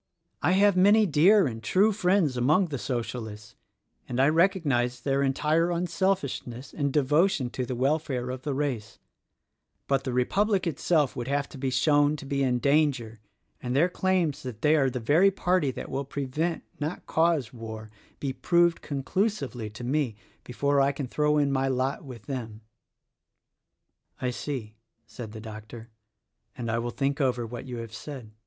I have many dear and true friends among the Socialists, and I recognize their entire unselfishness and devotion to the welfare of the race; but the Republic itself would have to be shown to be in danger and their claims that they are the very party that will prevent, not cause, war, be proved conclusively to me, before I can throw in my lot with them." "I see," said the doctor, "and I will think over what you have said.